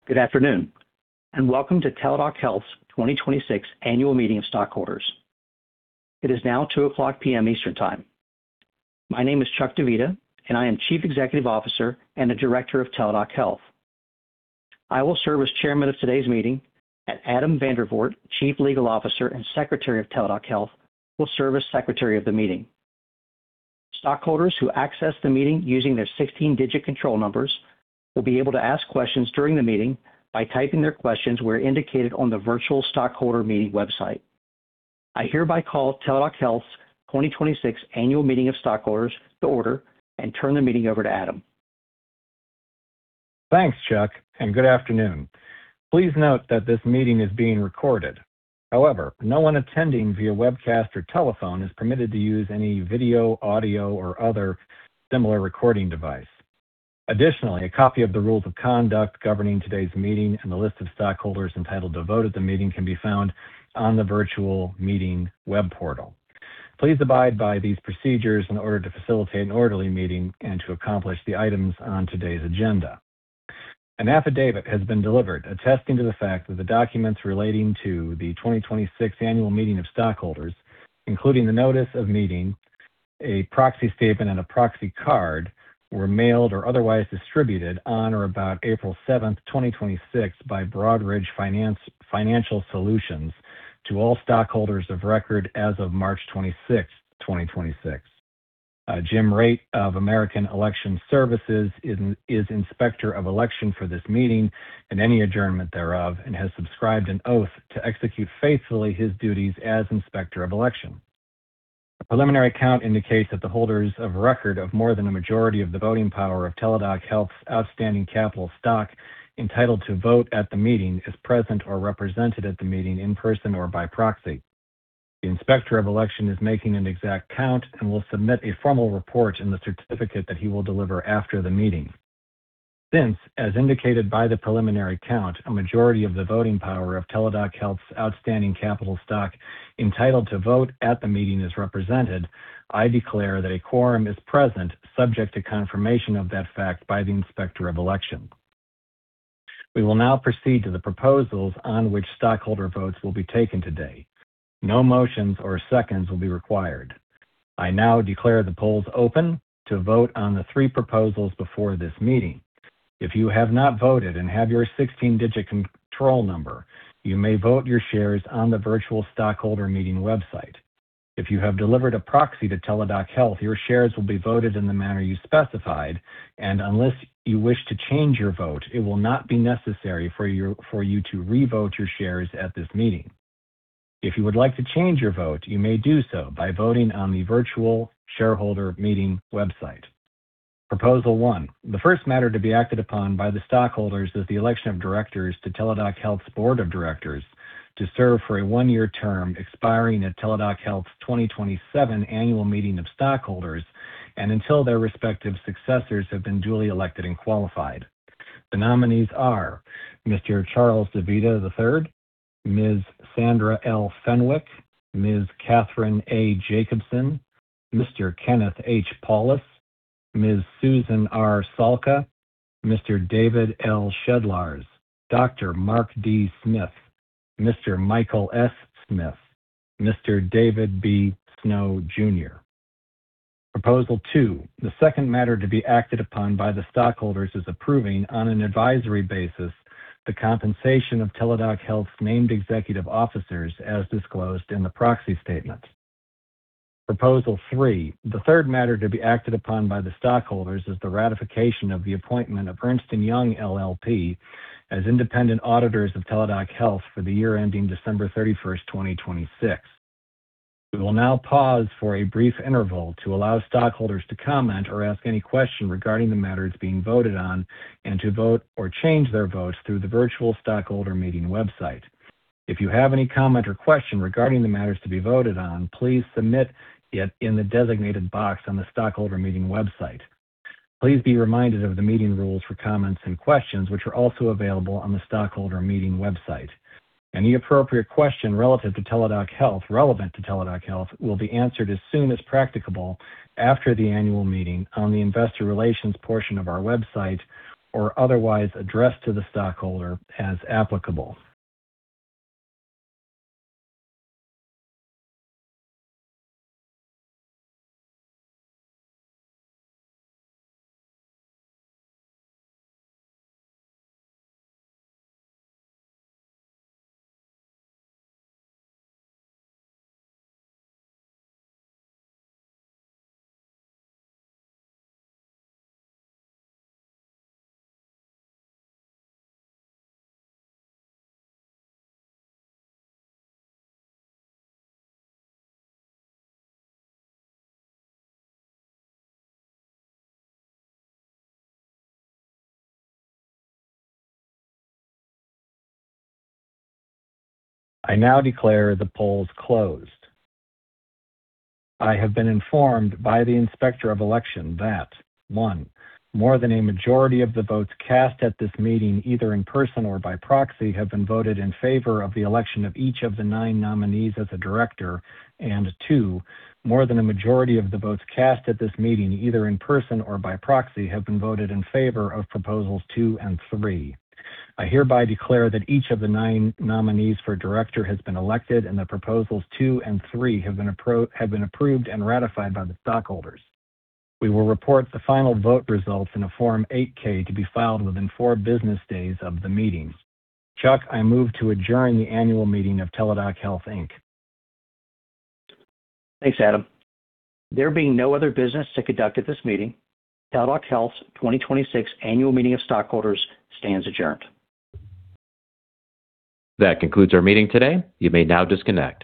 Good afternoon, and welcome to Teladoc Health's 2026 Annual Meeting of Stockholders. It is now 2:00 P.M. Eastern Time. My name is Chuck Divita, and I am Chief Executive Officer and a Director of Teladoc Health. I will serve as Chairman of today's meeting, and Adam Vandervoort, Chief Legal Officer and Secretary of Teladoc Health, will serve as Secretary of the meeting. Stockholders who access the meeting using their 16-digit control numbers will be able to ask questions during the meeting by typing their questions where indicated on the virtual stockholder meeting website. I hereby call Teladoc Health's 2026 Annual Meeting of Stockholders to order and turn the meeting over to Adam. Thanks, Chuck, and good afternoon. Please note that this meeting is being recorded. No one attending via webcast or telephone is permitted to use any video, audio, or other similar recording device. A copy of the rules of conduct governing today's meeting and the list of stockholders entitled to vote at the meeting can be found on the virtual meeting web portal. Please abide by these procedures in order to facilitate an orderly meeting and to accomplish the items on today's agenda. An affidavit has been delivered attesting to the fact that the documents relating to the 2026 Annual Meeting of Stockholders, including the notice of meeting, a proxy statement, and a proxy card, were mailed or otherwise distributed on or about April 7th, 2026, by Broadridge Financial Solutions to all stockholders of record as of March 26th, 2026. Jim Raitt of American Election Services is Inspector of Election for this meeting and any adjournment thereof and has subscribed an oath to execute faithfully his duties as Inspector of Election. A preliminary count indicates that the holders of record of more than a majority of the voting power of Teladoc Health's outstanding capital stock entitled to vote at the meeting is present or represented at the meeting in person or by proxy. The Inspector of Election is making an exact count and will submit a formal report in the certificate that he will deliver after the meeting. Since, as indicated by the preliminary count, a majority of the voting power of Teladoc Health's outstanding capital stock entitled to vote at the meeting is represented, I declare that a quorum is present subject to confirmation of that fact by the Inspector of Election. We will now proceed to the proposals on which stockholder votes will be taken today. No motions or seconds will be required. I now declare the polls open to vote on the three proposals before this meeting. If you have not voted and have your 16-digit control number, you may vote your shares on the virtual stockholder meeting website. If you have delivered a proxy to Teladoc Health, your shares will be voted in the manner you specified, and unless you wish to change your vote, it will not be necessary for you to revote your shares at this meeting. If you would like to change your vote, you may do so by voting on the virtual shareholder meeting website. Proposal one, the first matter to be acted upon by the stockholders is the election of directors to Teladoc Health's Board of Directors to serve for a one-year term expiring at Teladoc Health's 2027 Annual Meeting of Stockholders and until their respective successors have been duly elected and qualified. The nominees are Mr. Charles Divita III, Ms. Sandra L. Fenwick, Ms. Catherine A. Jacobson, Mr. Kenneth H. Paulus, Ms. Susan R. Salka, Mr. David L. Shedlarz, Dr. Mark D. Smith, Mr. Michael S. Smith, Mr. David B. Snow Jr. Proposal two, the second matter to be acted upon by the stockholders is approving, on an advisory basis, the compensation of Teladoc Health's named executive officers as disclosed in the proxy statement. Proposal three, the third matter to be acted upon by the stockholders is the ratification of the appointment of Ernst & Young LLP as independent auditors of Teladoc Health for the year ending December 31st, 2026. We will now pause for a brief interval to allow stockholders to comment or ask any question regarding the matters being voted on and to vote or change their votes through the virtual stockholder meeting website. If you have any comment or question regarding the matters to be voted on, please submit it in the designated box on the stockholder meeting website. Please be reminded of the meeting rules for comments and questions, which are also available on the stockholder meeting website. Any appropriate question relevant to Teladoc Health will be answered as soon as practicable after the annual meeting on the investor relations portion of our website or otherwise addressed to the stockholder as applicable. I now declare the polls closed. I have been informed by the Inspector of Election that, one, more than a majority of the votes cast at this meeting, either in person or by proxy, have been voted in favor of the election of each of the nine nominees as a director, and two, more than a majority of the votes cast at this meeting, either in person or by proxy, have been voted in favor of proposals two and three. I hereby declare that each of the nine nominees for director has been elected and that proposals two and three have been approved and ratified by the stockholders. We will report the final vote results in a Form 8-K to be filed within four business days of the meeting. Chuck, I move to adjourn the annual meeting of Teladoc Health, Inc. Thanks, Adam. There being no other business to conduct at this meeting, Teladoc Health's 2026 Annual Meeting of Stockholders stands adjourned. That concludes our meeting today. You may now disconnect.